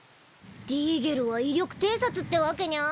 ディーゲルは威力偵察ってわけニャ？